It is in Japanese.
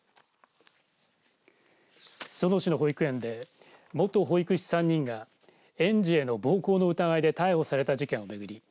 裾野市の保育園で元保育士３人が園児への暴行の疑いで逮捕された事件を巡り